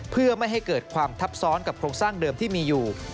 เพื่อไม่ให้เกิดความทับซ้อนกับโครงสร้างเดิมที่มีอยู่